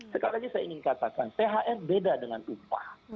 sekali lagi saya ingin katakan thr beda dengan upah